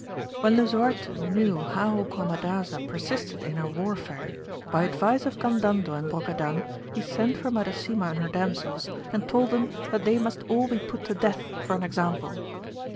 When Lisuarte knew how Gromadaza persisted in her warfare, by advice of Gandandel and Brocadan he sent for Madasima and her damsels, and told them that they must all be put to death for an example.